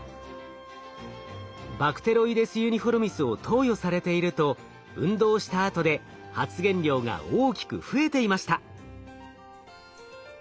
バクテロイデス・ユニフォルミスを投与されていると運動したあとで発現量が大きく増えていました。